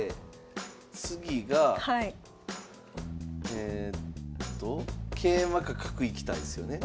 えっと桂馬か角いきたいですよね？